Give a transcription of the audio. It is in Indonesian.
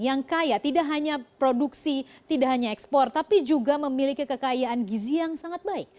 yang kaya tidak hanya produksi tidak hanya ekspor tapi juga memiliki kekayaan gizi yang sangat baik